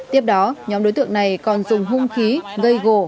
tiếp đó nhóm đối tượng này còn dùng hung khí gây gồ